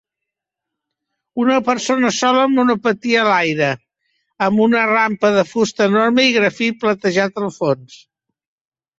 una persona sola amb monopatí a l'aire, amb una rampa de fusta enorme i grafit platejat al fons